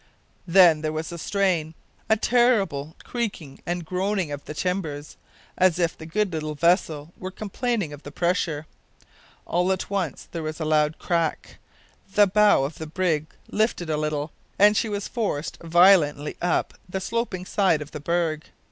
Then there was a strain, a terrible creaking and groaning of the timbers, as if the good little vessel were complaining of the pressure. All at once there was a loud crack, the bow of the brig lifted a little, and she was forced violently up the sloping side of the berg.